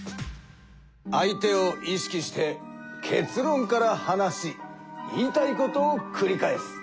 相手を意識して結論から話し言いたいことをくり返す。